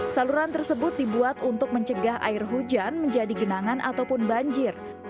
saluran tersebut dibuat untuk mencegah air hujan menjadi genangan ataupun banjir